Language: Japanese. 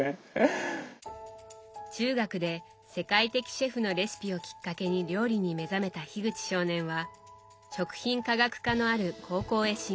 中学で世界的シェフのレシピをきっかけに料理に目覚めた口少年は食品科学科のある高校へ進学。